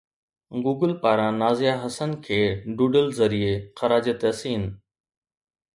Google پاران نازيه حسن کي doodle ذريعي خراج تحسين